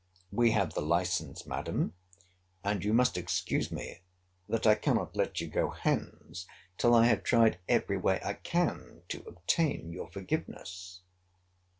We have the license, Madam—and you must excuse me, that I cannot let you go hence till I have tried every way I can to obtain your forgiveness.